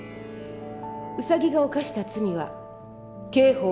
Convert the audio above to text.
ウサギが犯した罪は刑法